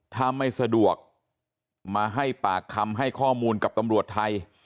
ถ้าไม่สะดวกมาให้ปากคำให้ข้อมูลกับตำรวจไทย